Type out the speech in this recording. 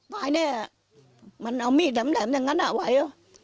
แน่มันเอามีดแหลมอย่างนั้นไว้